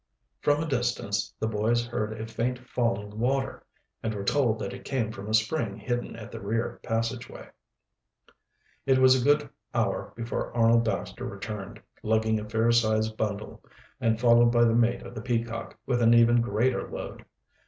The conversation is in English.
From a distance the boys heard a faint falling of water, and were told that it came from a spring hidden at the rear passageway. It was a good hour before Arnold Baxter returned, lugging a fair sized bundle, and followed by the mate of the Peacock with an even greater load.